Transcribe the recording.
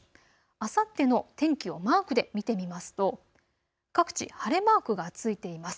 あさっての天気をマークで見てみますと各地晴れマークがついています。